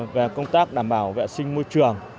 về công tác đảm bảo vệ sinh môi trường